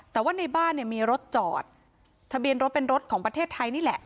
แต่ว่าในบ้านเนี่ยมีรถจอดทะเบียนรถเป็นรถของประเทศไทยนี่แหละ